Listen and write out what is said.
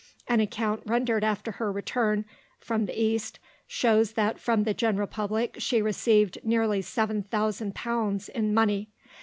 An account rendered after her return from the East shows that from the general public she received nearly £7000 in money.